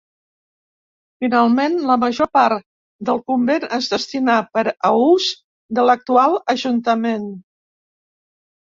Finalment, la major part del convent es destinà per a ús de l'actual ajuntament.